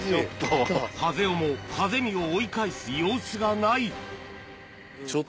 ・ハゼ雄もハゼ美を追い返す様子がない。